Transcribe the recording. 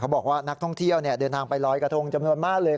บอกว่านักท่องเที่ยวเดินทางไปลอยกระทงจำนวนมากเลย